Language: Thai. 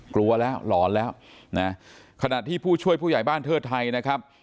กลัวแล้วหลอนแล้วนะขณะที่ผู้ช่วยผู้ใหญ่บ้านเทิดไทยนะครับ